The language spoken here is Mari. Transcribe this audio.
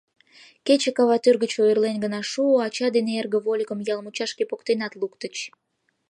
Кече каватӱр гыч ойырлен гына шуо, ача ден эрге вольыкым ял мучашке поктенат луктыч.